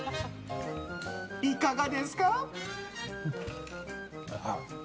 いかがですか？